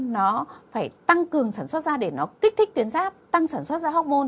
nó phải tăng cường sản xuất ra để nó kích thích tuyến giáp tăng sản xuất ra hormôn